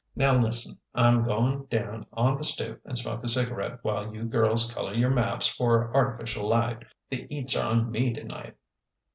Now, lis'n: I'm going down on the stoop and smoke a cigarette while you girls colour your maps for artificial light. The eats are on me tonight."